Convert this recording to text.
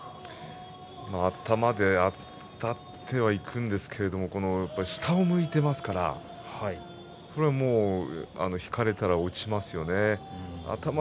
頭であたってはいくんですけれどもやはり下を向いていますからこれは引かれたら落ちますよね。